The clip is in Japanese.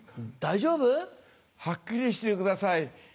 大丈夫？はっきりしてください。